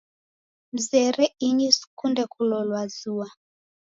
Mzere inyi sikunde kulolwa zua.